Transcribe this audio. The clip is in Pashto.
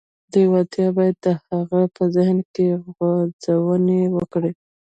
لېوالتیا باید د هغه په ذهن کې غځونې وکړي